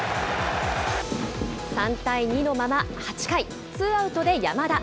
３対２のまま８回、ツーアウトで山田。